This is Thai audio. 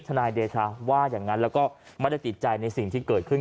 นายเดชาว่าอย่างนั้นแล้วก็ไม่ได้ติดใจในสิ่งที่เกิดขึ้น